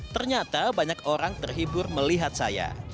ternyata banyak orang terhibur melihat saya